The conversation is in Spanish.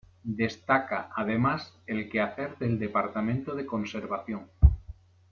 Destaca, además, el quehacer del Departamento de Conservación.